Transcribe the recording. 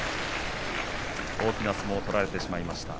大きな相撲を取られてしまいました。